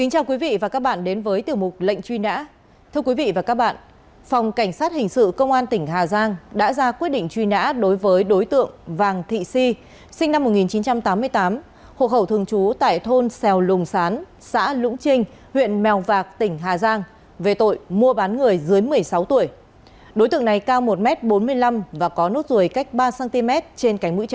hãy đăng ký kênh để ủng hộ kênh của chúng mình nhé